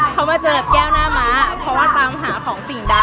เขามาเจอกับแก้วหน้าม้าเพราะว่าตามหาของสิ่งใด